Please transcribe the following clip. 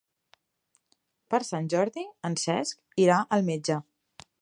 Per Sant Jordi en Cesc irà al metge.